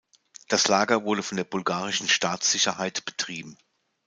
Das Lager wurde von der bulgarischen Staatssicherheit betrieben.